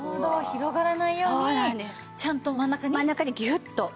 広がらないようにちゃんと真ん中にギュッと。